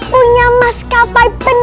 punya maskapai pendek